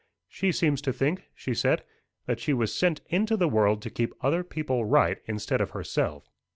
"She seems to think," she said, "that she was sent into the world to keep other people right instead of herself.